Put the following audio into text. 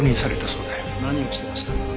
何をしてましたか？